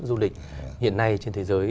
du lịch hiện nay trên thế giới